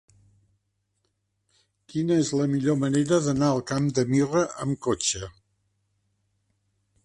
Quina és la millor manera d'anar al Camp de Mirra amb cotxe?